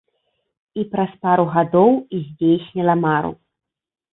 І праз пару гадоў здзейсніла мару.